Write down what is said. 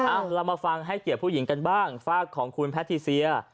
เรามาฟังให้เกียรติผู้หญิงกันบ้างฝากของคุณแพทิเซีย